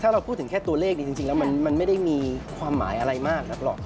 เราพูดถึงแค่ตัวเลขนี้จริงแล้วมันไม่ได้มีความหมายอะไรมากนักหรอก